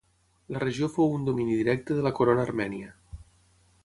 La regió fou un domini directe de la corona armènia.